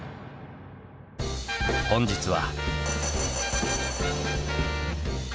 本日は。